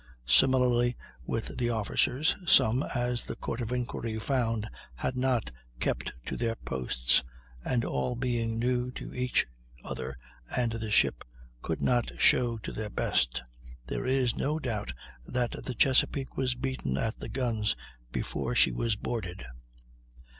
Similarly with the officers; some, as the Court of Inquiry found, had not kept to their posts, and all being new to each other and the ship, could not show to their best. There is no doubt that the Chesapeake was beaten at the guns before she was boarded.